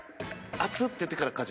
熱っ！って言ってから。